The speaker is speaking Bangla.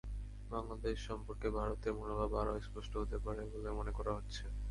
বাংলাদেশ সম্পর্কে ভারতের মনোভাব আরও স্পষ্ট হতে পারে বলে মনে করা হচ্ছে।